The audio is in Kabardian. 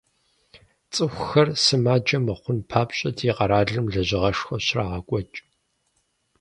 ЦӀыхухэр сымаджэ мыхъун папщӀэ, ди къэралым лэжьыгъэшхуэ щрагъэкӀуэкӀ.